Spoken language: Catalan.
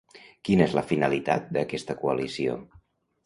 Quina és la finalitat d'aquesta coalició?